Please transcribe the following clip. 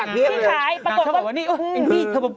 มันเคยเห็นอยู่บ่อย